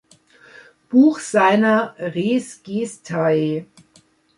Buch seiner "res gestae".